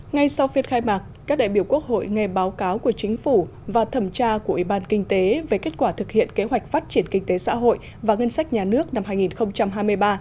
ngay sau phiên khai mạc các đại biểu quốc hội nghe báo cáo của chính phủ và thẩm tra của ủy ban kinh tế về kết quả thực hiện kế hoạch phát triển kinh tế xã hội và ngân sách nhà nước năm hai nghìn hai mươi ba